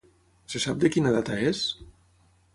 Se sap de quina data és?